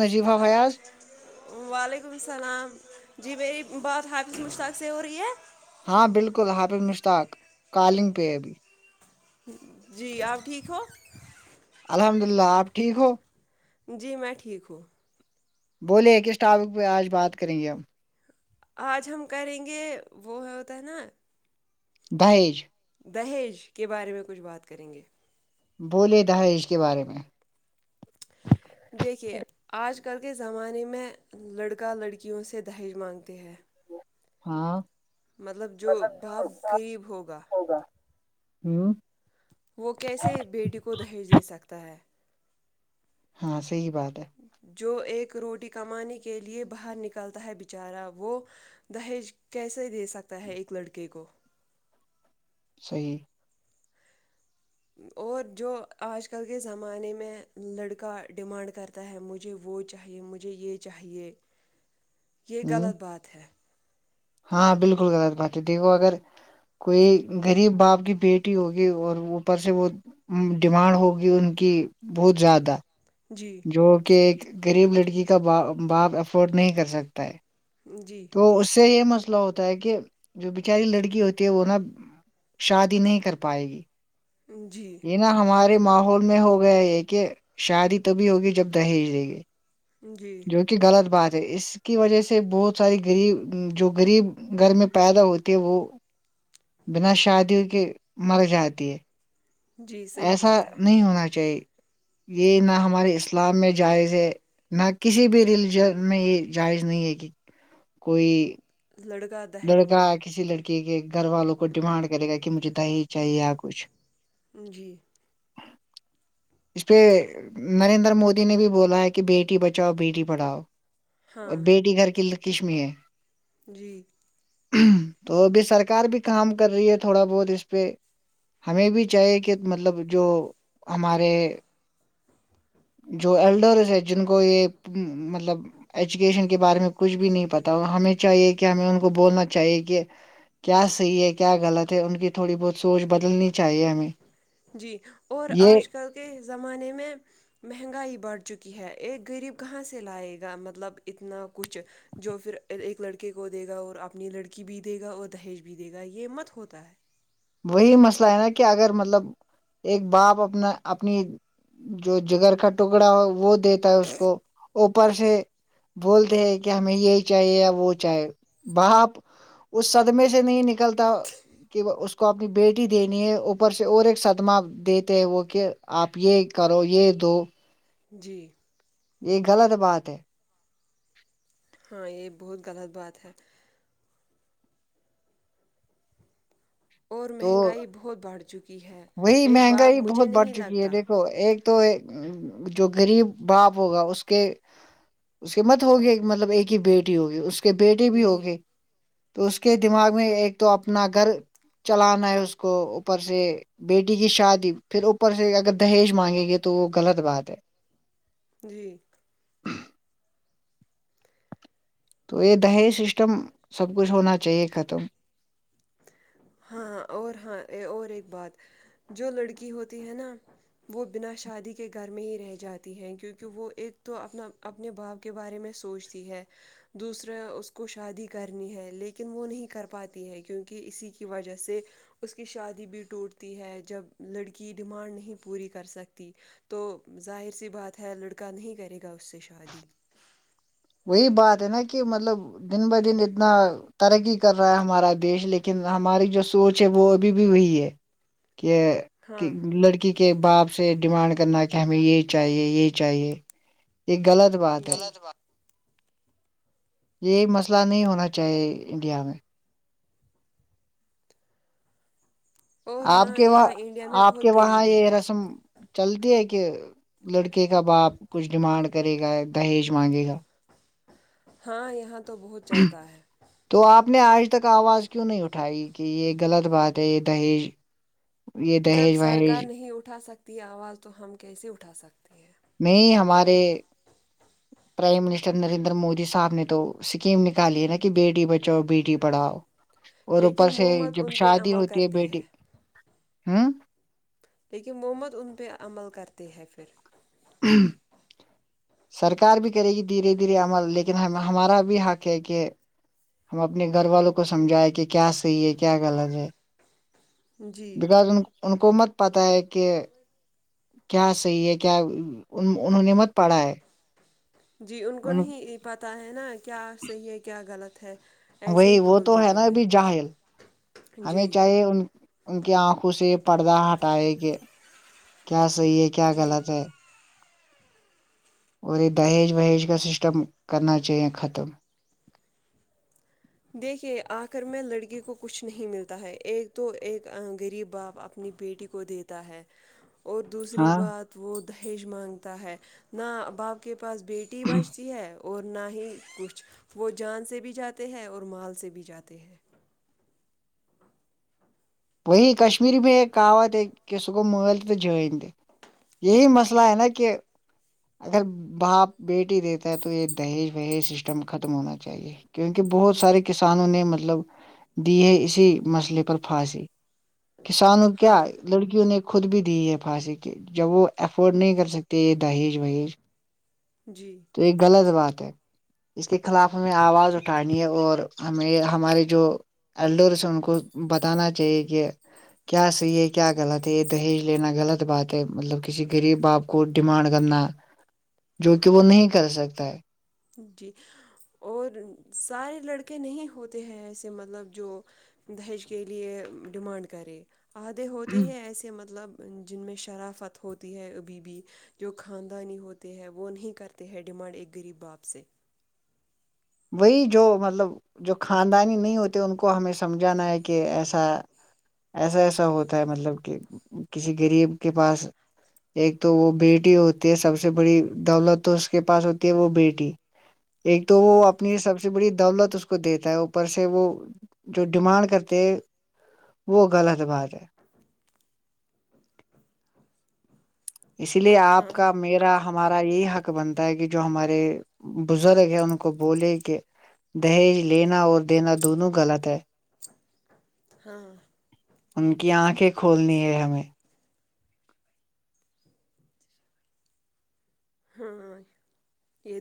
نجیب ہ ہویا آز وعلیکم السلام جی میری بات حافظ مشتاق سے ہو رہی ہے ہاں بالکل حافظ مشتاق کالنگ پہ ابھی جی آپ ٹھیک ہو الحمد للہ آپ ٹھیک ہو جی میں ٹھیک ہوں بولیے کس ٹاپک پہ آج بات کریں گے ہم آج ہم کریں گے وہ ہوتا ہے نا دج دہیج کے بارے میں کچھ بات کریں گے بولے دہائج کے بارے میں دیکھیے آج کل کے زمانے میں لڑکا لڑکیوں سے دہیج مانگتے ہے ہاں مطلب جو باپ غریب ہوگا ہوں وہ کیسے بیٹی کو دہیج دے سکتا ہے ہاں صحی بات ہے جو ایک روٹی کمانے کے لیے باہر نکلتا ہے بیچارہ وہ دہیج کیسے دے سکتا ہے ایک لڑکے کو صحیح اور جو آج کل کے زمانے میں لڑکا ڈیمانڈ کر ہے مجھے وہ چاہیے مجھے یہ چاہیے یہ ہوں غلط بات ہے ہاں بالکل غلط بات ہے دیکھو اگر کوئی غریب باپ کی بیٹی ہوگی اور اوپر سے وہ ڈیمانڈ ہوگی ان کی بہت زیادہ جی جو کہ ایک غریب لڑکی کا با باپ افورڈ نہیں کر سکتا ہے جی تو اس سے یہ مسئلہ ہوتا ہے کہ جو بچاری لڑکی ہوتی ہے وہ نا شادی نہیں کر پائے گی جی یہ نا ہمارے ماحول میں ہو گیا یہ کہ شادی تبھی ہوگی جب دہیج دے گی جی کیونکہ غلط بات ہے اس کی وجہ سے بہت ساری غریب جو غریب گھر میں پیدا ہوتی ہے وہ ج بنا شادی کے مر جاتی ہے جی صحیح ایسا بات ہے نہیں ہونا چاہیے یہ نہ ہمارے اسلام میں جائز ہے نہ کسی بھی ریلیجن میں یہ جائز نہیں ہے کہ کوئی لڑکا دہیج لڑکا مانگے کسی لڑکی کے گھر والوں کو ڈیمانڈ کرے گا کہ مجھے دی چاہیے یا کچھ جی اس پہ نریندر مودی نے بھی بولا ہے کہ بیٹی بچاؤ بیٹی پڑھاؤ ہاں اور بیٹی گھر کی ل کشمی ہے جی تو ابھی سرکار بھی کام کر رہی ہے تھوڑا بہت اس پہ ہمیں بھی چاہیے کہ مطلب جو ہمارے تو ایلڈرس ہے جن کو یہ مطلب ایجوکیشن کے بارے میں کچھ بھی نہیں پتا ہو ہمیں چاہیے کہ ہمیں ان کو بولنا چاہیے کہ کیا صحی ہے کیا غلط ہے ان کی تھوڑی بہت سوچ بدلنی چاہیے ہمیں جی اور یہ آج کل کے زمانے میں مہنگائی بڑھ چکی ہے ایک غریب کہاں سے لائے گا مطلب اتنا کچھ جو پھر ایک لڑکے کو دے گا اور اپنی لڑکی بھی دے گا اور دہیج بھی دے گا یہ مت ہوتا ہے وہی مسئلہ ہے نا کہ اگر مطلب ایک باپ اپنا اپنی جو جگر کا ٹکڑا ہو وہ دیتا ہے اس کو اوپر سے بولتے ہیں کہ ہمیں یہی چاہیے یا وہ چاہے باپ اس سدمے سے نہیں نکلتا کہ اس اس کو اپنی بیٹی دینی ہے اوپر سے اور ایک صدمہ دیتے ہیں وہ کہ آپ یہ کرو یہ دو جی یہ غلط بات ہے ہاں یہ بہت غلط بات ہے اور تو مہنگائی بہت بڑھ چکی ہے وہی ایک بار مہنگائی مجھے بہت بڑھ نہیں چکی ہے لگتا دیکھو ایک تو جو غریب باپ ہوگا اس کے اس کے مت ہوگیا مطلب ایک ہی بیٹی ہوگی اس کے بیٹے بھی نہیں ہوگئے تو اس کے دماغ میں ایک تو اپنا گھر چلانا ہے اس کو اوپر سے بیٹی کی شادی پھر اوپر سے اگر دہیج مانگیں گے تو وہ غلط بات ہے جی تو یہ دہیز سسٹم سب کچھ ہونا چاہیے ختم ہاں اور ہاں اور ایک بات جو لڑکی ہوتی ہے نا وہ بنا شادی کے گھر میں ہی رہ جاتی ہیں کیونکہ وہ ایک تو اپنا اپنے باپ کے بارے میں سوچتی ہے دوسرا اس کو شادی کرنی ہے لیکن وہ نہیں کر پاتی ہے کیونکہ کہ اسی کی وجہ سے اس کی شادی بھی ٹوٹتی ہے جب لڑکی ڈیمانڈ نہیں پوری کر سکتی تو ظاہر سی بات ہے لڑکا نہیں کرے گا اس سے شادی وہی بات ہے نا کہ مطلب دن ب دن اتنا ترقی کر رہا ہے ہمارا دیش لیکن ہماری جو سوچ ہے وہ ابھی بھی وہی ہے کہ ہاں لڑکی کہ باپ سے ڈیمانڈ کرنا کہ ہمیں یہ چاہیے یہ چاہیے یہ غلط غلط بات یہ مسئلہ نہیں ہونا چاہیے انڈیا میں اور آپ ہاں کے وہاں یہاں انڈیا میں آپ بہت کے وہاں غریبی یہ ہے رسم چلتی ہے کہ لڑکے کا باپ کچھ ڈیمانڈ کرے گا دہیج مانگے گا ہاں یہاں تو بہت چلتا ہے تو آپ نے آج تک آواز کیوں نہیں اٹھائی کہ یہ غلط بات ہے یہ دہیج یہ جب دہیج سرکار وہیج نہیں اٹھا سکتی ہے آواز تو ہم کیسے اٹھا سکتے ہیں میں ہمارے پرائم منسٹر نریندر مودی صاحب نے تو سکیم نکالی ہے نا کہ بیٹی بچاؤ بیٹی پڑھاؤ اور اوپر لیکن سے وہ مت جب ان پہ شادی عمل ہوتی ہے کرتے بیٹی ہیں ہوں لیکن محمد ان پہ عمل کرتے ہے پھر این سرکار بھی کرے گی دھیرے دھیرے عمل لیکن ہمارا بھی حق ہے کہ ہم اپنے گھر والوں کو سمجھائے کہ کیا صحیح ہے کیا غلط ہے جی بکاز ان کو مت پت ہے کہ کیا صحیح ہے کیا انہوں نے مت پڑھا ہے جی ان کو نہیں پتہ ہے نا کیا صحیح ہے کیا غلط ہے ایسے وہی ہی وہ بول تو ہے دیتے نا ہیں ابھی جاہل ہمیں جی چاہے ان ان کی آنکھوں سے یہ پردہ ہٹائے کہ کیا صحیح ہے کیا جی غلط ہے اور یہ دہیج وہیج کا سسٹم کرنا چاہیے ختم دیکھیے آخر میں لڑکی کو کچھ نہیں ملتا ہے ایک تو ایک غریب باپ اپنی بیٹی کو دیتا ہے اور دوسری ہاں بات وہ دہیج مانگتا ہے نہ باپ کے پاس بیٹی بجتی ہے اور نہ ہی کچھ وہ جان سے بھی جاتے ہیں اور اور مال سے بھی جاتے ہیں وہ کشمییر م میں ایک کہعوت ہے کہ س گوٮ مل ت تو جٮینن ت یہی مسئلہ ہے نا کہ اگر باپ بیٹی دیتا ہے تو یہ دہیج وہیز سسٹم ختم ہونا چاہیے کیونکہ بہت ہوں، سارے کسانوں نے مطلب دی ہے اسی مسئلے پر پھانسی کسانوں کیا ہاں لڑکیوں نے خود بھی دی ہے پھانسی کے جب وہ افورڈ نہیں کر سکتے یہ دہیج وہیج جی تو یہ غلط بات ہے اس کے خلاف ہمیں آواز اٹھانی ہے اور ہمیں ہمارے جو اللڈور سے ان کو بتانا چاہیے کہ کیا صحیح ہے کیا غلط ہے یہ دہیج لینا غلط بات ہے مطلب کسی غریب باپ کو ڈیمانڈ کرنا جو کہ وہ نہیں کر سکتا ہے جی اور سارے لڑکے نہیں ہوتے ہیں ایسے مطلب جو دہج کے لیئے ڈیمانڈ کرے آھے ہوتے ہے ہیں ایسے مطلب جن میں شرافت ہوتی ہے بی بی جو خاندانی ہوتے ہے وہ نہیں کرتے ہیں ڈیمانڈ ایک غریب باپ سے وہی جو مطلب جو خاندانی نہیں ہوتے ان کو ہمیں سمجھانا ہے کہ ایسا ایسا ایسا ہوتا ہے مطلب کہ کسی غریب کے پاس ایک تو وہ بیٹی ہوتی ہے سب سے بڑی دولت تو اس کے پاس ہوتی ہے وہ بیٹی [unintelligible] ایک تو وہ اپنی سب سے بڑی دولت اس کو دیتا ہے اوپر سے وہ جو ڈیمانڈ کرتے ہیں وہ غلط بات ہے اس لیے آپ کا میرا ہمارا ا یہی حق بنتا ہے کہ جو ہمارے بزرگ ہیں ان کو بولے کہ دہیج لینا اور دینا دونوں غلط ہے ہاں ان کی آنکھیں کھولنی ہے ہمیں ہاں یہ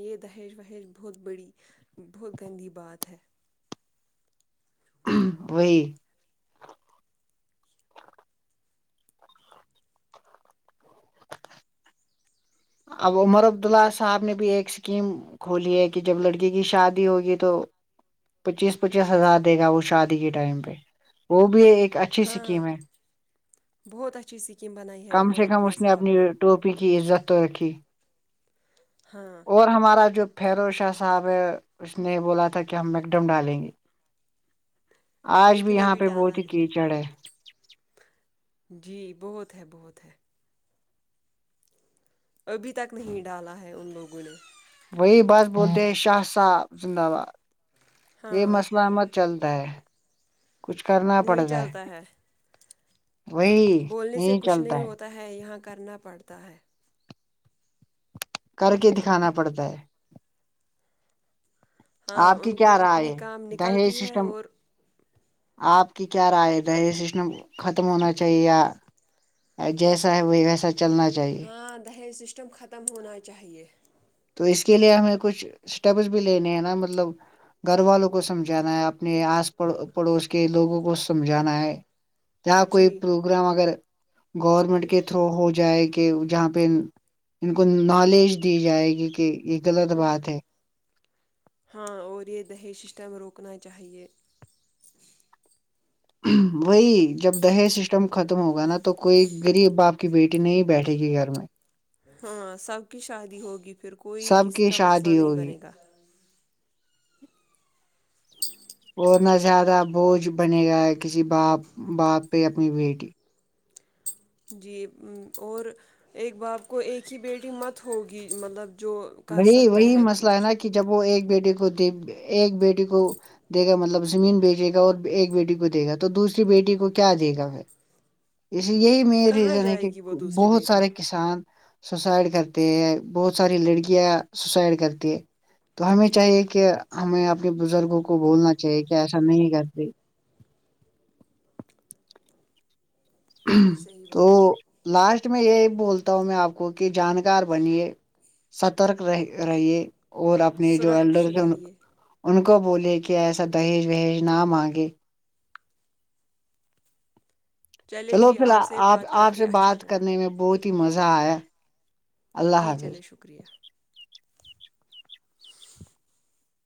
یہ دہیج وہیج بہت بڑی بہت گندی بات ہے وہی اب عمر عبداللہ صاحب نے بھی ایک اسکیم کھولی ہے کہ جب لڑکی کی شادی ہوگی تو پچیس پچیس ہزار دے گا وہ شادی کے ٹائم پہ وہ بھی ایک اچھی ہاں اسکیم ہے بہت اچھی اسکیم بنائی ہے کم عمر سے کم عبداللہ اس صاحب اپنی نے ٹوپی کی عزت تو رکھی ہاں اور ہمارا جو فیرو شاہ صاحب ہے اس نے یہ بولا تھا کہ ہم میکڈم ڈالیں گے آج بھی لیکن یہاں ابھی پہ ڈالا بہت ہی نہیں کیچڑ ہے جی بہت ہے بہت ہے ابھی تک نہیں ڈالا ہے ان لوگوں نے وہی بات بولتے ہیں شاہ صاحب زندہ آباد یہ ہاں مسلمت چلتا ہے کچھ کرنا نہیں پڑتا ہے چلتا وہی بولنے سے نہیں کچھ نہیں چلتا ہوتا ہے یہاں کرنا پڑتا ہے کر کے دکھانا پڑتا ہے ہاں آپ کی ان کو کیا اپنی رائے ہے کام دہیج نکلتی ہے سسٹم اور آپ کی کیا رائے د ہے یہ سشن ختم ہونا چاہیے یا جیسا ہے وہی ویسا چلنا چاہیے ہاں دہیج سسٹم ختم ہونا چاہیے تو اس کے لیے ہمیں کچھ اسٹیپس بھی لینے ہیں نا مطلب گھر والوں کو سمجھانا ہے اپنے آس پڑوس کے لوگوں کو سمجھانا ہے یا کوئی جی پروگرام اگر گورنمنٹ کے تھرو ہو جائے کہ جہاں پہ ان کو نالج دی جائے جی کہ یہ غلط بات ہے ہاں اور یہ دہی سسٹم روکنا چاہیئے وہی جب دہیز سسٹم ختم ہوگا نا تو کوئی غریب باپ کی بیٹی نہیں بیٹھے گی گھر میں ہاں سب کی شادی ہوگی پھر کوئی سب کسی کی کا مسئلہ شادی نہیں ہوگی بنے گا جچھا اور نہ زیادہ بوجھ بنے گا ہے کسی باپ باپ پہ اپنی بیٹی جی اور ایک باپ کو ایک ہی بیٹی مت ہوگی مطلب جو کر وہی سکتا وہی ہے مسئلہ کچھ نا کہ جب وہ ایک بیٹیے کو د ایک بیٹی کو دے گا مطلب زمین بیچے گا اور ایک بیٹی کو دے گا تو دوسری بیٹی کو کیا دے گا پھر اس یہی مین کہاں ریزن ہے کہ جائے گی وہ دوسری بہت بیٹی سارے کسان سوسائڈ کرتے ہے بہت ساری لڑکیاں سوسائڈ کرتے تو ہمیں چاہیے جی کہ ہمیں اپنے بزرگوں کو بولنا چاہیے کہ ایسا نہیں کرتی جی صحیح تو بات ہے لاسٹ میں یہی بولتا ہوں میں آپ کو کہ جانکار بنیے سترک رہیے اور اپنے جو سرخش ایڈر رہیے ان کو بولے کہ ایسا دہیج وہیج نہ مانگے چلے چلو جی پھر سے آپ بات کر آپ کے سے اچھا بات ہوا کرنے میں بہت ہی مزہ آیا اللہ جی حافظ چلے شکریہ